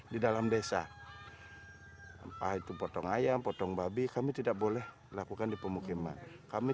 di dalam desa itu potong ayam potong babi kami tidak boleh lakukan di pemukiman kami